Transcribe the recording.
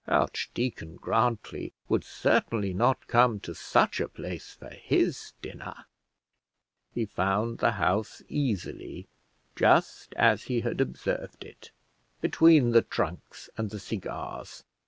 Archdeacon Grantly would certainly not come to such a place for his dinner. He found the house easily, just as he had observed it, between the trunks and the cigars.